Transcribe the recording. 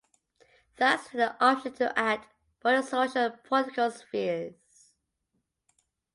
Thus it had the option to act both in social and political spheres.